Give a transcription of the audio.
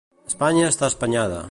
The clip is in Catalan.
Espanya està espanyada.